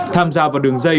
tham gia vào đường dây